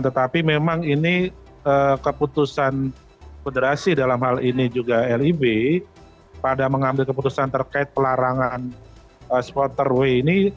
tetapi memang ini keputusan federasi dalam hal ini juga lib pada mengambil keputusan terkait pelarangan supporter w ini